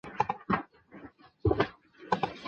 阿利博迪埃。